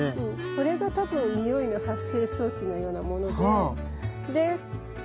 これが多分においの発生装置のようなものででなんか虫をね